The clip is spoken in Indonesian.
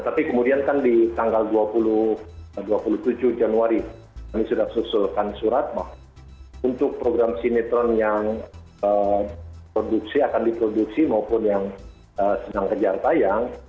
tapi kemudian kan di tanggal dua puluh tujuh januari kami sudah susulkan surat untuk program sinetron yang akan diproduksi maupun yang sedang kejar tayang